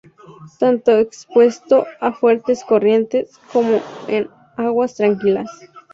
Tanto expuesto a fuertes corrientes, como en aguas tranquilas.